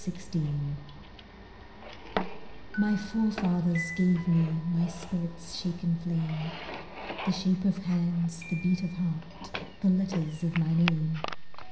Driftwood My forefathers gave me My spirit's shaken flame, The shape of hands, the beat of heart, The letters of my name.